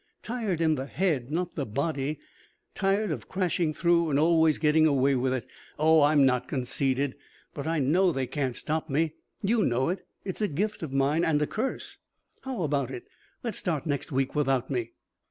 Tired in the head, not the body. Tired of crashing through and always getting away with it. Oh, I'm not conceited. But I know they can't stop me. You know it. It's a gift of mine and a curse. How about it? Let's start next week without me."